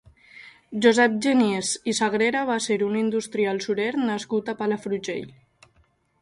Josep Genís i Sagrera va ser un industrial surer nascut a Palafrugell.